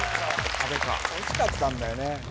壁か惜しかったんだよね